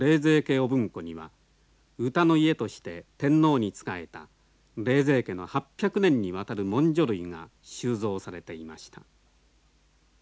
御文庫には歌の家として天皇に仕えた冷泉家の８００年にわたる文書類が収蔵されていました。